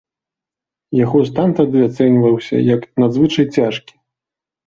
Яго стан тады ацэньваўся як надзвычай цяжкі.